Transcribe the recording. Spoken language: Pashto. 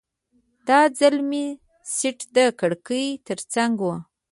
دا ځل مې سیټ د کړکۍ ترڅنګ و.